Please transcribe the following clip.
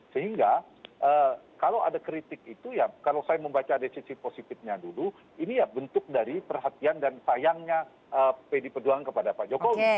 sehingga kalau ada kritik itu ya kalau saya membaca dari sisi positifnya dulu ini ya bentuk dari perhatian dan sayangnya pd perjuangan kepada pak jokowi